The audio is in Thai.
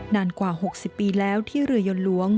นานกว่า๖๐ปีแล้วที่เรือยนหลวง